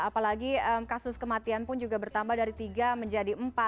apalagi kasus kematian pun juga bertambah dari tiga menjadi empat